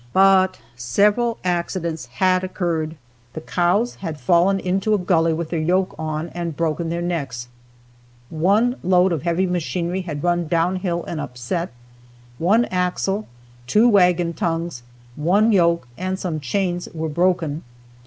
But several accidents had occurred. The cows had fallen into a gully with their yoke on and broken their necks, one load of heavy machinery had run down hill and upset, one axle, two wagon tongues, one yoke and some chains were broken.